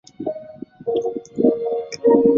被视为三重帮一员。